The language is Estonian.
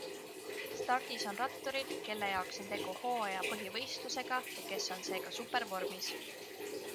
Stardis on ratturid, kelle jaoks on tegu hooaja põhivõistlusega ja kes on seega supervormis.